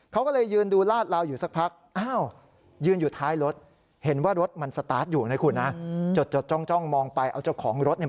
เขาก็เลยยืนดูลาดลาวอยู่สักพัก